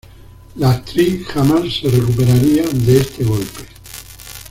La actriz jamás se recuperaría de este golpe.